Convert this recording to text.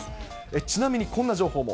ちなみにこんな情報も。